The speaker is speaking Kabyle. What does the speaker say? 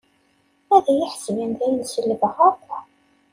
Ad iyi-ḥesben dayen selbeɣ akk.